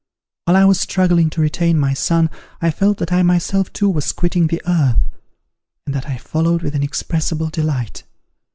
While I was struggling to retain my son, I felt that I myself too was quitting the earth, and that I followed with inexpressible delight.